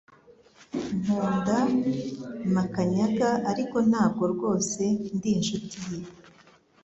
Nkunda Makanyaga ariko ntabwo rwose ndi inshuti ye